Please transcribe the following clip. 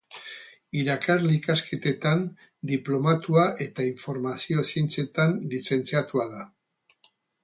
Irakasle ikasketetan diplomatua eta informazio zientzietan lizentziatua da.